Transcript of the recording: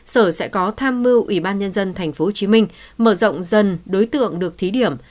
sở sẽ có tham mưu ủy ban nhân dân tp hcm mở rộng dần đối tượng được thí điểm